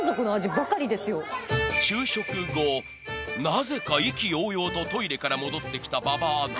［なぜか意気揚々とトイレから戻ってきた馬場アナ］